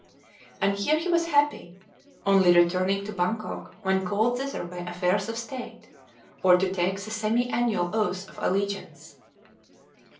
And here he was happy, only returning to Bangkok when called thither by affairs of state, or to take the semi annual oath of allegiance.